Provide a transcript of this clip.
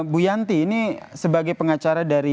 bu yanti ini sebagai pengacara dari